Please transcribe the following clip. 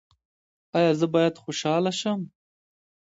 ایا زه باید خوشحاله شم؟